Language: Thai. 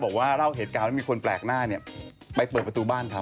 บอกว่าเล่าเหตุการณ์แล้วมีคนแปลกหน้าไปเปิดประตูบ้านเขา